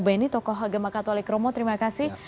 benny tokoh agama katolik romo terima kasih